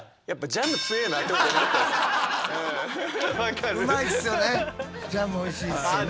ジャムおいしいですよね。